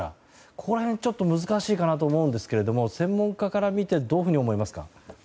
ここら辺、ちょっと難しいかなと思うんですが専門家から見てどう思いますか。